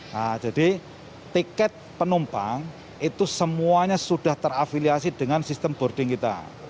nah jadi tiket penumpang itu semuanya sudah terafiliasi dengan sistem boarding kita